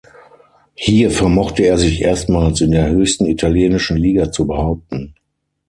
Hier vermochte er sich erstmals in der höchsten italienischen Liga zu behaupten.